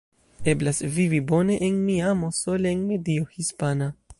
Eblas vivi bone en Miamo sole en medio hispana.